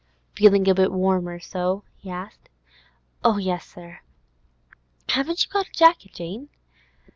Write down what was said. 'Feel a bit warmer so?' he asked. 'Oh yes, sir.' 'Haven't you got a jacket, Jane?